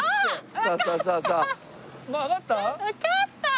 わかった？